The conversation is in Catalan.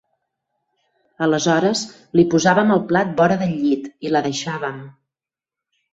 Aleshores li posàvem el plat vora del llit i la deixàvem